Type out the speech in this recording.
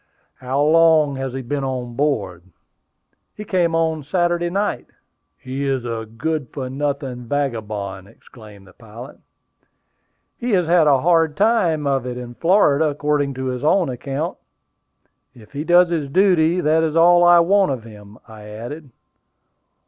"How long has he been on board?" "He came on Saturday night." "He is a good for nothing vagabond!" exclaimed the pilot. "He has had a hard time of it in Florida, according to his own account. If he does his duty, that is all I want of him," I added.